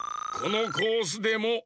このコースでも。